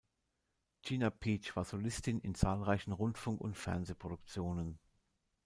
Gina Pietsch war Solistin in zahlreichen Rundfunk- und Fernsehproduktionen.